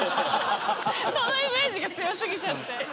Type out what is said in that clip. そのイメージが強過ぎちゃって。